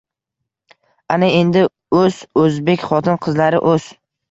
— Ana endi... o‘s, o‘zbek xotin-qizlari, o‘s!